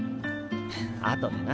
あとでな。